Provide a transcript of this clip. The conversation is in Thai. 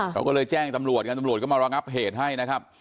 เขาก็เลยแจ้งตำรวจกันตำรวจก็มารองับเหตุให้นะครับ